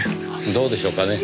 どうでしょうかね。